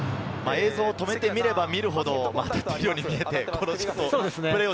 そう止めて見れば見るほど、当たっているように見えますね。